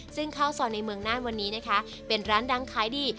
ซึ่งข้าวซอยในเมืองน่านวันนี้นะคะเป็นร้านดังขายดี